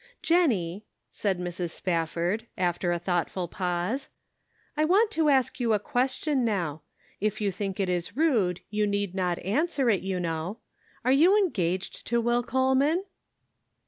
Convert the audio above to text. " Jennie," said Mrs. Spafford, after a thought ful pause, " I want to ask you a question now : if you think it is rude you need not answer it, you know. Are you engaged to Will Cole man